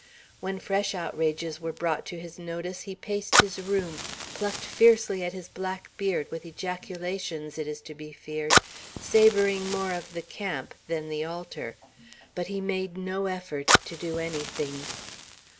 When fresh outrages were brought to his notice, he paced his room, plucked fiercely at his black beard, with ejaculations, it is to be feared, savoring more of the camp than the altar; but he made no effort to do anything.